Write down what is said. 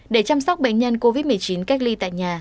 để chăm sóc bệnh nhân covid một mươi chín cách ly tại nhà